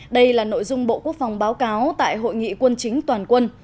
đây là nội dung bộ quốc phòng báo cáo tại hội nghị quân chính toàn quân